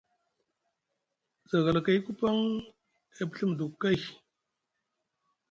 Zagalakayku paŋ e pɵi muduku kay.